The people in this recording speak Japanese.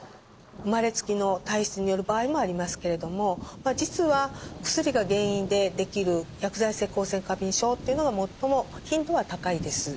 生まれつきの体質による場合もありますけれども実は薬が原因でできる薬剤性光線過敏症っていうのが最も頻度は高いです。